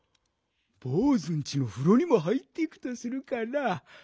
ぼうずんちのふろにも入っていくとするかな？